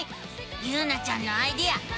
ゆうなちゃんのアイデアすごいね！